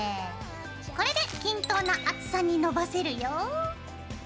これで均等な厚さにのばせるよ。